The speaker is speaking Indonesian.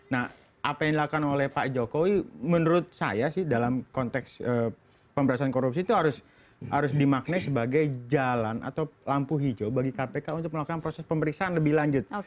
nah apa yang dilakukan oleh pak jokowi menurut saya sih dalam konteks pemberantasan korupsi itu harus dimaknai sebagai jalan atau lampu hijau bagi kpk untuk melakukan proses pemeriksaan lebih lanjut